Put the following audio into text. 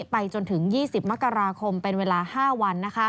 ไปจนถึง๒๐มกราคมเป็นเวลา๕วัน